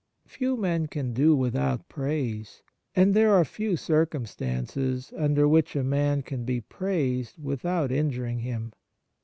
Few men can do without praise, and there are few circumstances under which a man can be praised without injuring him.